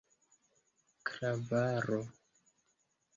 klavaro